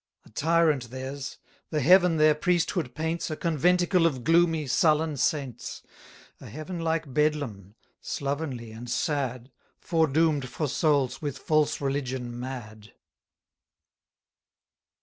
A tyrant theirs; the heaven their priesthood paints A conventicle of gloomy, sullen saints; A heaven like Bedlam, slovenly and sad, Foredoom'd for souls with false religion mad.